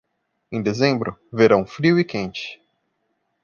Em dezembro, verão frio e quente.